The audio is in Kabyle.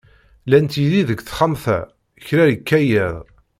Llant yid-i deg texxamt-a, kra yekka yiḍ.